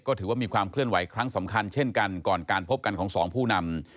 ก็ถือว่ามีความเคลื่อนไหวครั้งสำคัญเช่นกันก่อนการพบกันของสองผู้นำ